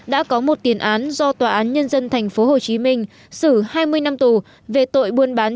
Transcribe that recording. đã có một tiền án do tòa án nhân dân tp hcm xử hai mươi năm tù về tội buôn bán